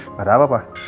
nggak ada apa pak